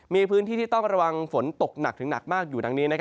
มีพื้นที่ที่ต้องระวังฝนตกหนักถึงหนักมากอยู่ดังนี้